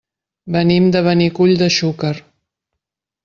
Venim de Benicull de Xúquer.